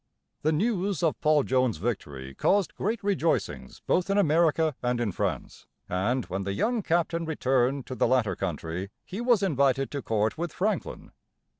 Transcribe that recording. The news of Paul Jones's victory caused great rejoicings both in America and in France, and when the young captain returned to the latter country, he was invited to court with Franklin.